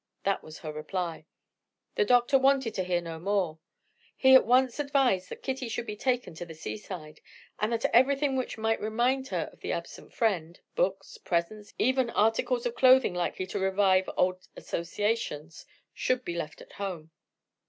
That was her reply. The doctor wanted to hear no more; he at once advised that Kitty should be taken to the seaside, and that everything which might remind her of the absent friend books, presents, even articles of clothing likely to revive old associations should be left at home.